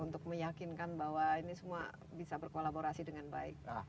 untuk meyakinkan bahwa ini semua bisa berkolaborasi dengan baik